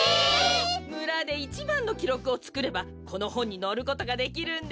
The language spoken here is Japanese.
むらでいちばんのきろくをつくればこのほんにのることができるんです。